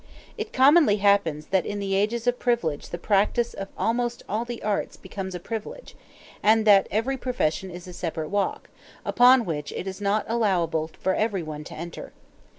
It commonly happens that in the ages of privilege the practice of almost all the arts becomes a privilege; and that every profession is a separate walk, upon which it is not allowable for everyone to enter.